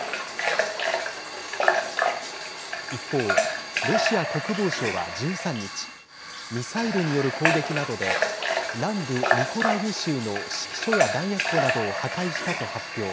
一方、ロシア国防省は１３日ミサイルによる攻撃などで南部ミコライウ州の指揮所や弾薬庫などを破壊したと発表。